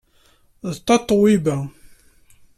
D Tatoeba.